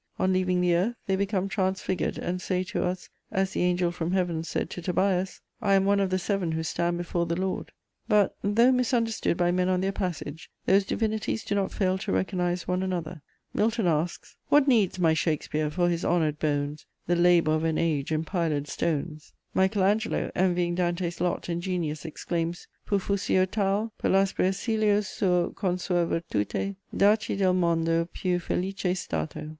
On leaving the earth, they become transfigured, and say to us, as the angel from heaven said to Tobias: "I am one of the seven who stand before the Lord." But, though misunderstood by men on their passage, those divinities do not fail to recognise one another. Milton asks: What needs my Shakespeare, for his honour'd bones, The labour of an age in piled stones? Michael Angelo, envying Dante's lot and genius, exclaims: Pur fuss'io tal... Per l'aspro esilio suo con sua virtute Darci del mondo più felice stato.